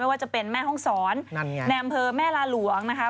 ว่าจะเป็นแม่ห้องศรในอำเภอแม่ลาหลวงนะคะ